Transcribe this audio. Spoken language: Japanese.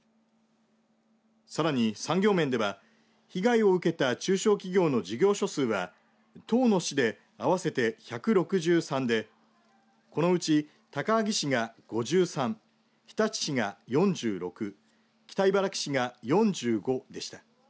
さらに産業面では、被害を受けた中小企業の事業所数は１０の市で合わせて１６３でこのうち、高萩市が５３日立市が４６北茨城市が４５でした。